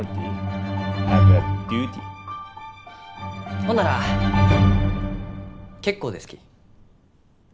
ほんなら結構ですき。